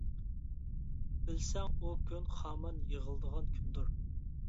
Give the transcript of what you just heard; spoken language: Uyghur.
بىلسەڭ ئۇ كۈن خامان يىغىلىدىغان كۈندۇر.